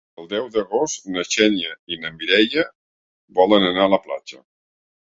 El deu d'agost na Xènia i na Mireia volen anar a la platja.